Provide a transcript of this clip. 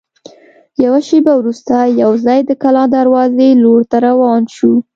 یوه شېبه وروسته یوځای د کلا د دروازې لور ته روان شوو.